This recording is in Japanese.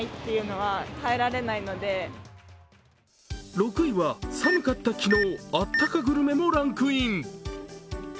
６位は寒かった昨日、あったかグルメもランクイン。